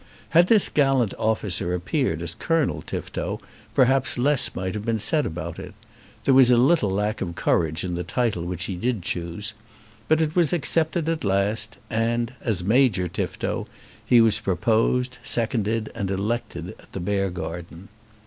Had this gallant officer appeared as Colonel Tifto, perhaps less might have been said about it. There was a little lack of courage in the title which he did choose. But it was accepted at last, and, as Major Tifto, he was proposed, seconded, and elected at the Beargarden.